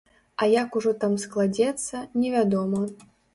А як ужо там складзецца, невядома.